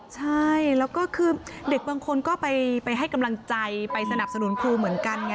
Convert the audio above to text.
ใช่แล้วก็คือเด็กบางคนก็ไปให้กำลังใจไปสนับสนุนครูเหมือนกันไง